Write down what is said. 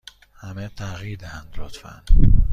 همه تغییر دهند، لطفا.